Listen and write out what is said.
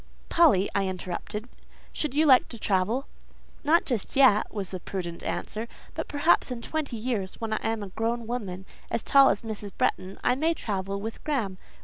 "Polly," I interrupted, "should you like to travel?" "Not just yet," was the prudent answer; "but perhaps in twenty years, when I am grown a woman, as tall as Mrs. Bretton, I may travel with Graham.